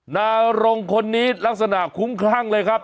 นารงคนนี้ลักษณะคุ้มคลั่งเลยครับ